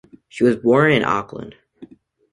She was born in Auckland.